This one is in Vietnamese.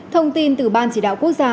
thông tin từ ban chỉ đạo quốc gia